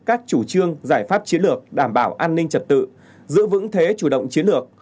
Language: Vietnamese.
các chủ trương giải pháp chiến lược đảm bảo an ninh trật tự giữ vững thế chủ động chiến lược